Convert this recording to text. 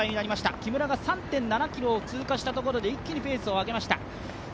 木村が３．７ｋｍを通過したところで一気にペースを上げました。